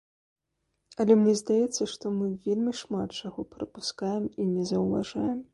Але мне здаецца, што мы вельмі шмат чаго прапускаем і не заўважаем.